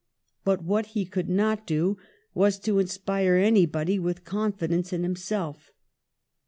But what he could not do was to inspire anybody with con fidence in himself.